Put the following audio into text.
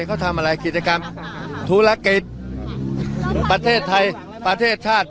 เขาทำอะไรกิจกรรมธุรกิจประเทศไทยประเทศชาติ